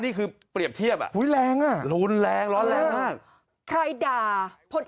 เปรียบเทียบอ่ะอุ้ยแรงอ่ะรุนแรงร้อนแรงมากใครด่าพล